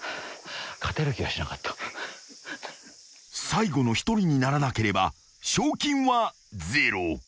［最後の１人にならなければ賞金はゼロ］